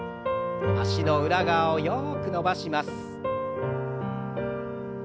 脚の裏側をよく伸ばします。